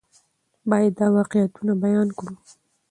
باید دا واقعیتونه بیان کړو.